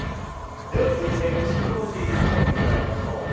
では続いてシブ５時相撲部にまいりましょう。